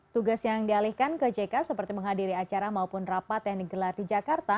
tugas yang dialihkan ke jk seperti menghadiri acara maupun rapat yang digelar di jakarta